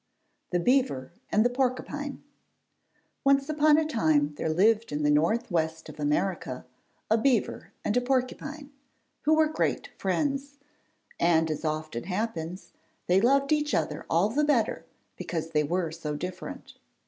THE BEAVER AND THE PORCUPINE Once upon a time there lived in the North West of America a beaver and a porcupine, who were great friends; and, as often happens, they loved each other all the better because they were so different.